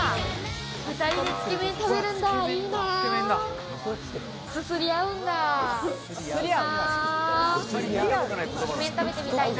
２人で、つけ麺食べるんだ、いいな！